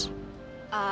eh dik aja